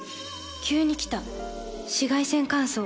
急に来た紫外線乾燥。